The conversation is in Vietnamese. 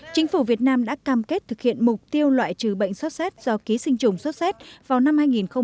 chính phủ việt nam đã cam kết thực hiện mục tiêu loại trừ bệnh sot z do ký sinh trùng sot z vào năm hai nghìn hai mươi năm